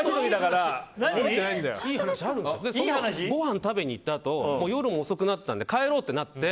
ごはん食べに行ったあと夜も遅くなったんで帰ろうってなって。